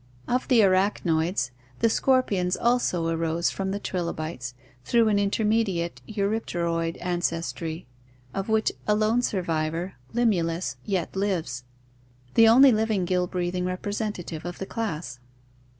Of the arachnoids, the scorpions also arose from the trilobites through an intermediate eurypteroid ancestry, of which a lone survivor, Limulus, yet lives— the only living gill breathing rep resentative of the class.